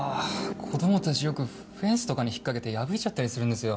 子供たちよくフェンスとかに引っ掛けて破いちゃったりするんですよ。